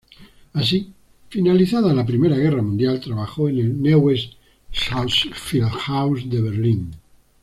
Así, finalizada la Primera Guerra Mundial, trabajó en el Neues Schauspielhaus de Berlín.